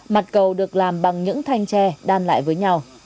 mặt cầu được làm bằng những thanh tre đan lại với nhau